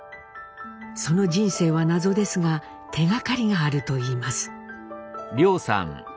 その人生は謎ですが手がかりがあると言います。